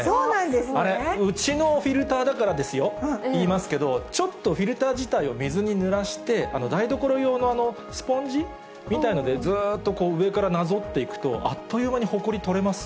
あれ、うちのフィルターだからですよ、言いますけど、ちょっとフィルター自体を水にぬらして、台所用のスポンジみたいので、ずっと上からなぞっていくと、あっという間にほこり取れます。